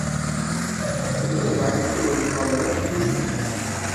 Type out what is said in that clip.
Thứ đồ gái đứng đường, còn lấy làm chi